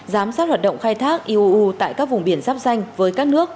giám sát hoạt động khai thác iuu tại các vùng biển giáp danh với các nước